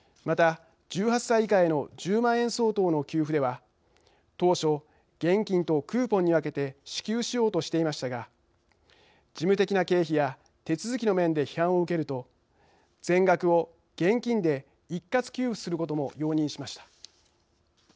また１８歳以下への１０万円相当の給付では当初現金とクーポンに分けて支給しようとしていましたが事務的な経費や手続きの面で批判を受けると全額を現金で一括給付することも容認しました。